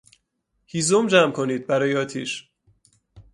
هیزم جمع کنید برای آتیش